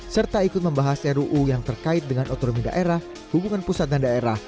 serta ikut membahas ruu yang terkait dengan otonomi daerah hubungan pusat dan daerah